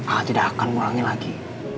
ah tidak akan ngurangin lagi